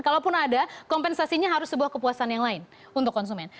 kalaupun ada kompensasinya harus sebuah kepuasan yang lain untuk konsumen